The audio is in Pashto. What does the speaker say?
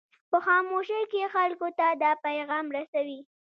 په خاموشۍ کې خلکو ته دا پیغام رسوي.